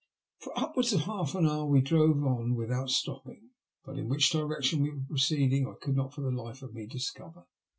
For upwards of half an hour we drove on without stopping, but in which direction we were proceeding I could not for the life of me discover.